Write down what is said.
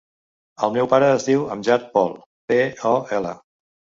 El meu pare es diu Amjad Pol: pe, o, ela.